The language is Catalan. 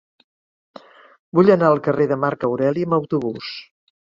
Vull anar al carrer de Marc Aureli amb autobús.